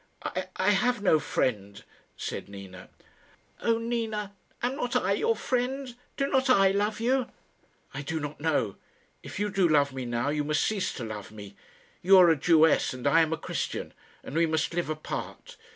"I have no friend," said Nina. "Oh, Nina, am not I your friend? Do not I love you?" "I do not know. If you do love me now, you must cease to love me. You are a Jewess, and I am a Christian, and we must live apart.